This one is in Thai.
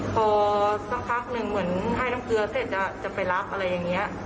พอสักพักหนึ่งเหมือนให้น้ำเกลือเสร็จจะไปรับอะไรอย่างนี้